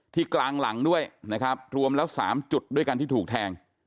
กลางหลังด้วยนะครับรวมแล้ว๓จุดด้วยกันที่ถูกแทง